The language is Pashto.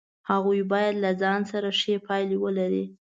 هغوی باید له ځان سره ښې پایلې ولري.